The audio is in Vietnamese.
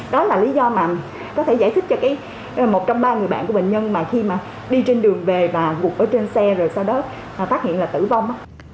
đó là lý do mà có thể giải thích cho một trong ba người bạn của bệnh nhân mà khi mà đi trên đường về và gụt ở trên xe rồi sau đó phát hiện là tử vong